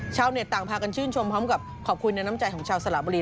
ชาวเน็ตต่างพากันชื่นชมพร้อมกับขอบคุณในน้ำใจของชาวสละบุรี